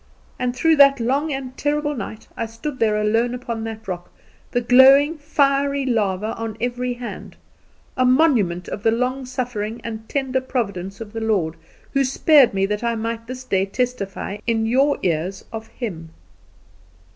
And through that long and terrible night I stood there alone upon that rock, the glowing, fiery lava on every hand a monument of the long suffering and tender providence of the Lord, who spared me that I might this day testify in your ears of Him.